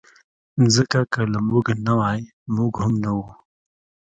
مځکه که له موږ نه وای، موږ هم نه وو.